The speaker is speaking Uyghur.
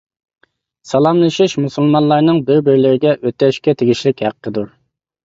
سالاملىشىش مۇسۇلمانلارنىڭ بىر-بىرلىرىگە ئۆتەشكە تېگىشلىك ھەققىدۇر.